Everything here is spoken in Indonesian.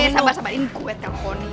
sabar sabarin gue teleponin